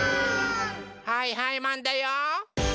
はいはいマンだよ！